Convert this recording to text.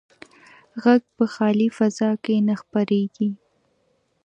غږ په خالي فضا کې نه خپرېږي.